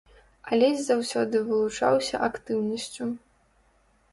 Алесь заўсёды вылучаўся актыўнасцю.